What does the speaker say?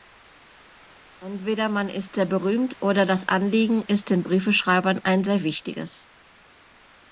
Entweder man ist sehr berühmt, oder das Anliegen ist den Briefeschreibern ein sehr wichtiges.